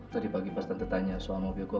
tadi pagi pas tante tanya soal mobil gue